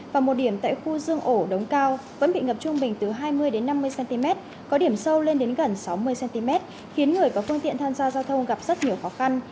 và một điểm tại khu dương ổ đống cao vẫn bị ngập trung bình từ hai mươi năm mươi cm có điểm sâu lên đến gần sáu mươi cm khiến người và phương tiện tham gia giao thông gặp rất nhiều khó khăn